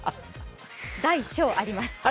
大小あります。